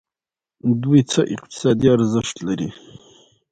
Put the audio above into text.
دوی څه اقتصادي ارزښت لري.